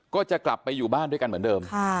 ก็จะกลับไปอยู่บ้านด้วยกันเหมือนเดิม